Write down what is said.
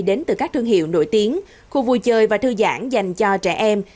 đến từ các thương hiệu nổi tiếng khu vui chơi và thư giãn dành cho trẻ em